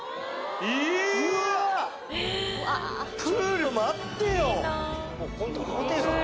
プール待ってよ。